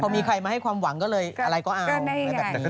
พอมีใครมาให้ความหวังก็เลยอะไรก็เอา